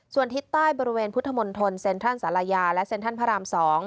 ส่วนทิศใต้บริเวณพุทธมนตรเซ็นทรัลศาลายาและเซ็นทรัลพระราม๒